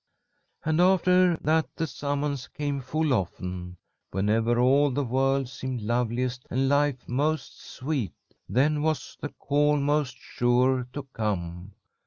And after that the summons came full often. Whenever all the world seemed loveliest and life most sweet, then was the call most sure to come.